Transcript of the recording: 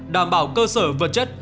đảm bảo cơ sở vật chất